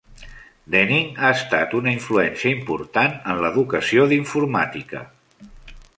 Denning ha estat una influència important en l'educació d'informàtica.